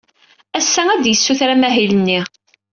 Ass-a, ad yessuter amahil-nni.